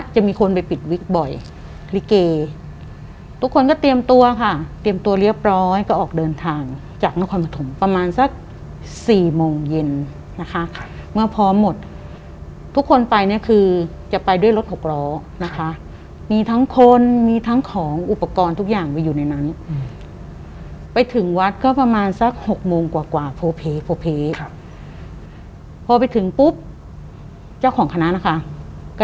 จะมีคนไปปิดวิกบ่อยลิเกทุกคนก็เตรียมตัวค่ะเตรียมตัวเรียบร้อยก็ออกเดินทางจากนครปฐมประมาณสักสี่โมงเย็นนะคะเมื่อพร้อมหมดทุกคนไปเนี่ยคือจะไปด้วยรถหกล้อนะคะมีทั้งคนมีทั้งของอุปกรณ์ทุกอย่างไปอยู่ในนั้นไปถึงวัดก็ประมาณสักหกโมงกว่ากว่าโพเพโพเพครับพอไปถึงปุ๊บเจ้าของคณะนะคะก็